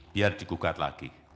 biar digugat lagi